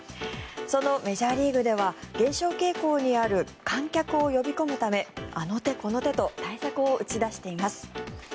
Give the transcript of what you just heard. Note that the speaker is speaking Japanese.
そのメジャーリーグでは減少傾向にある観客を呼び込むためあの手この手と対策を打ち出しています。